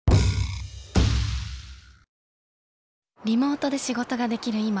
リモートで仕事ができる